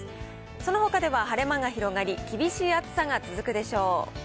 そのほかでは晴れ間が広がり、厳しい暑さが続くでしょう。